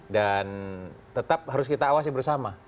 dan tetap harus kita awasi bersama